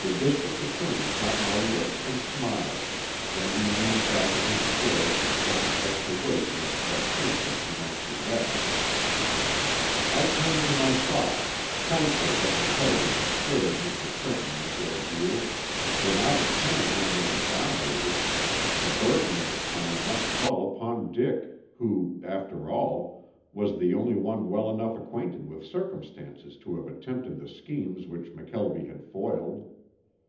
The District Attorney caught my look and smiled, then he leaned back in his chair and set himself to wait with what patience he might possess. I turned to my thoughts, thankful that McKelvie had spared Mr. Trenton this ordeal, for now that Cunningham was exonerated, the burden of the crime must fall upon Dick, who, after all, was the only one well enough acquainted with circumstances to have attempted the schemes which McKelvie had foiled.